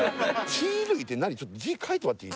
チイルイってちょっと書いてもらっていい？